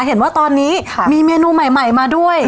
เห็นว่าตอนนี้มีเมนูใหม่มาด้วย